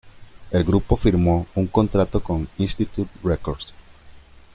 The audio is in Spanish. El grupo firmó un contrato con Institute Records.